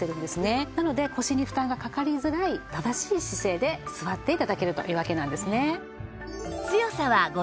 なので腰に負担がかかりづらい正しい姿勢で座って頂けるというわけなんですね。